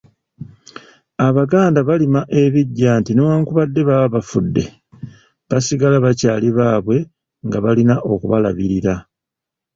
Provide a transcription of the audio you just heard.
Abaganda barima ebiggya nti newankubadde baba bafudde, basigala bakyaali baabwe nga balina okubalabirira.